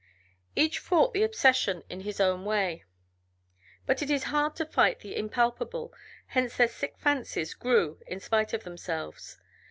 Each fought the obsession in his own way, but it is hard to fight the impalpable, hence their sick fancies grew in spite of themselves.